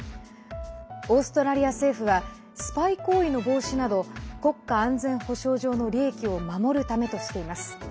オーストラリア政府はスパイ行為の防止など国家安全保障上の利益を守るためとしています。